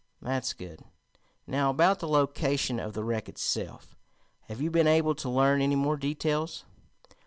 "That's good. Now about the location of the wreck itself. Have you been able to learn any more details?"